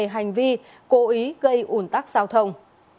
hành vi cố ý gây ủn tắc giao thông